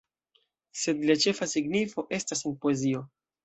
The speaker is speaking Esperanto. Sed lia ĉefa signifo estas en poezio.